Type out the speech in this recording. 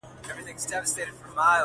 څه نرګس نرګس را ګورې څه غنچه غنچه ږغېږې,